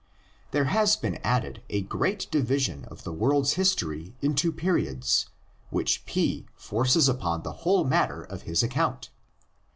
There has been added a great division of the world's history into periods, which P forces upon the whole matter of his account.